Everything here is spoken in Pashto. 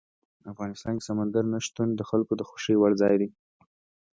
افغانستان کې سمندر نه شتون د خلکو د خوښې وړ ځای دی.